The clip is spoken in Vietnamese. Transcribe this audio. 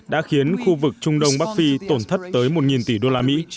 đã khiến khu vực trung đông bắc phi tổn thất tới một tỷ usd